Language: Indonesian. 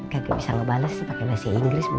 gak bisa ngebales sih pake bahasa inggris